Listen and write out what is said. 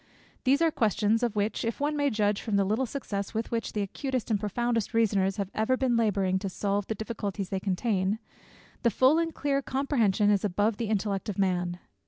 These are questions, of which, if one may judge from the little success with which the acutest and profoundest reasoners have been ever labouring to solve the difficulties they contain, the full and clear comprehension is above the intellect of man.